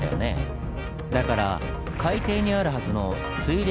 だから海底にあるはずの水冷